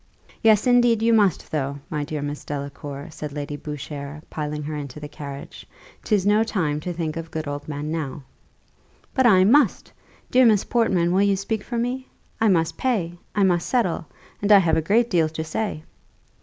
"Yes, indeed, you must, though, my dear Miss Delacour," said Lady Boucher, pulling her into the carriage: "'tis no time to think of good old men now." "But I must. Dear Miss Portman, will you speak for me? I must pay I must settle and I have a great deal to say."